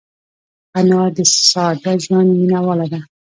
انا د ساده ژوند مینهواله ده